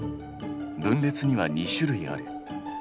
分裂には２種類ある。